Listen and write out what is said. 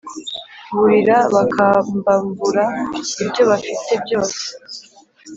burira bakambambura ibyo bafite byose,